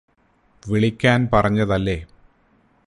വിളിക്കാൻ പറഞ്ഞതല്ലേ